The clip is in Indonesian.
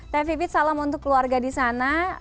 tevvivit salam untuk keluarga di sana